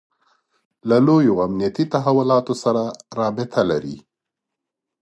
له لویو امنیتي تحولاتو سره رابطه لري.